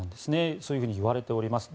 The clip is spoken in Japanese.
そういうふうにいわれております。